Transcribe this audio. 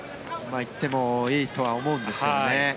行ってもいいとは思うんですよね。